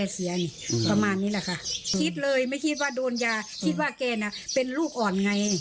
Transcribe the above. สี่แกโดนยาบร้อยคิดว่าแกเป็นลูกอ่อนไง